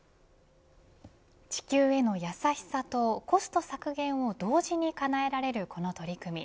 地球への優しさとコスト削減を同時にかなえられるこの取り組み。